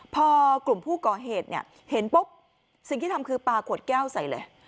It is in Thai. พอกลุ่มผู้ก่อเหตุเนี่ยเห็นปุ๊บสิ่งที่ทำคือปลาขวดแก้วใส่เลย